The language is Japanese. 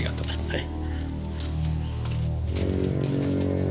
はい。